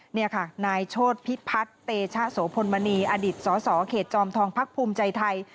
นี่ค่ะนายโชธพิพัฒน์เตชะโสพลมณีอดีตสสเขตจอมทองพักภูมิใจไทย